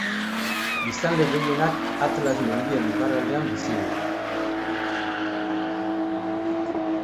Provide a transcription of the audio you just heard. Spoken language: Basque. Biztanle gehienak Atlas mendien iparraldean bizi dira.